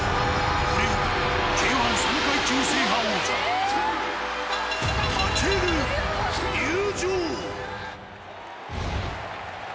Ｋ‐１、３階級制覇王者武尊、入場！